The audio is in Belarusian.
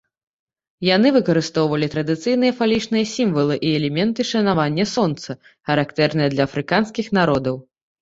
Яны выкарыстоўвалі традыцыйныя фалічныя сімвалы і элементы шанавання сонца, характэрныя для афрыканскіх народаў.